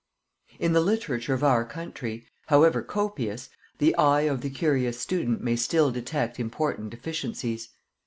In the literature of our country, however copious, the eye of the curious student may still detect important deficiencies.